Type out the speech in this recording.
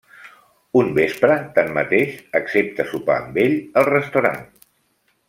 Un vespre, tanmateix, accepta sopar amb ell al restaurant.